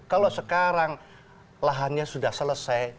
kalau sekarang lahannya sudah selesai